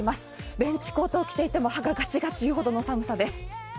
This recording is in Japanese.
ベンチコートを着ていても歯がガタガタ言うほどの寒さです。